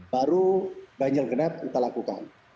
baru ganjil genap kita lakukan